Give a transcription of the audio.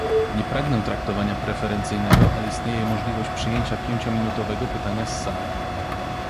Nie pragnę traktowania preferencyjnego, ale istnieje możliwość przyjęcia pięciominutowego pytania z sali